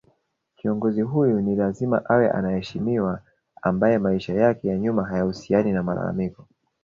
Kiongozi huyu ni lazima awe anaheshimiwa ambaye maisha yake ya nyuma hayahusiani na malalamiko